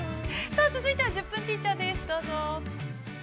続いては「１０分ティーチャー」です、どうぞ。